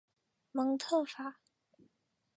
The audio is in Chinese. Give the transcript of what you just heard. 蒙特法。